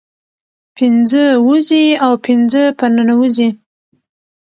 پنځه ووزي او پنځه په ننوزي